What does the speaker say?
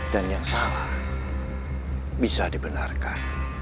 dan yang salah bisa dibenarkan